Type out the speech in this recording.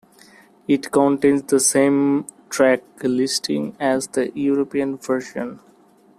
It contains the same track listing as the European version.